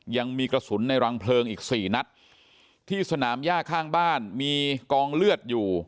ยังมีกระสุนในรังเพลิงอีกสี่นัดที่สนามย่าข้างบ้านมีกองเลือดอยู่